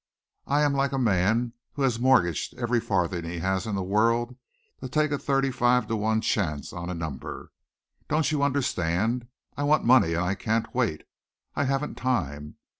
I am like a man who has mortgaged every farthing he has in the world to take a thirty five to one chance on a number. Don't you understand? I want money, and I can't wait. I haven't time.